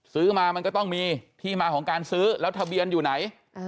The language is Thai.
ซื้อมามันก็ต้องมีที่มาของการซื้อแล้วทะเบียนอยู่ไหน